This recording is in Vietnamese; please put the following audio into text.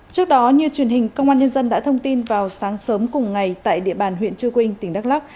trước đó như truyền hình công an nhân dân đã thông tin vào sáng sớm cùng ngày tại địa bàn huyện trư quynh tỉnh đắk lắc